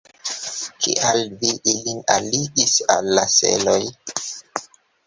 Kial vi ilin alligis al seloj?